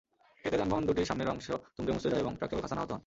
এতে যানবাহন দুটির সামনের অংশ দুমড়েমুচড়ে যায় এবং ট্রাকচালক হাসান আহত হন।